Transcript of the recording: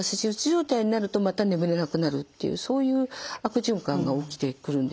状態になるとまた眠れなくなるっていうそういう悪循環が起きてくるんですね。